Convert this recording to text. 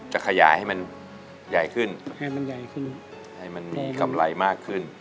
ให้มันมีกำไรมากขึ้น